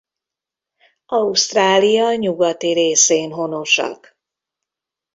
Ausztrália nyugati részén honosak.